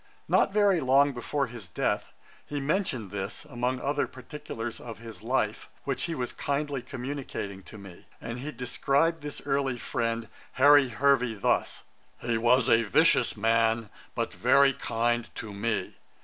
Not very long before his death, he mentioned this, among other particulars of his life, which he was kindly communicating to me; and he described this early friend, 'Harry Hervey,' thus: 'He was a vicious man, but very kind to me.